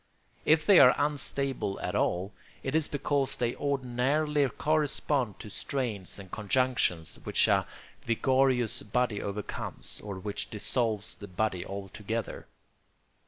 If they are unstable at all, it is because they ordinarily correspond to strains and conjunctions which a vigorous body overcomes, or which dissolve the body altogether.